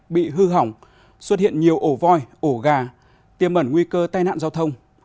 bị hư hỏng xuất hiện nhiều ổ voi ổ gà tiêm ẩn nguy cơ tai nạn giao thông